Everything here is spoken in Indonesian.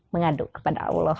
mengaduk kepada allah